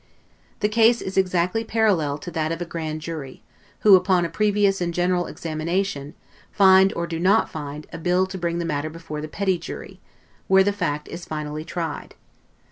The case is exactly parallel to that of a grand jury; who, upon a previous and general examination, find, or do not find, a bill to bring the matter before the petty jury; where the fact is finally tried.